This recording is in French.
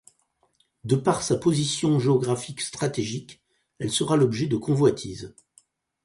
De par sa position géographique stratégique, elle sera l'objet de convoitises.